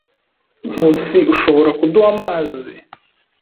Nkusi, ushobora kuduha amazi?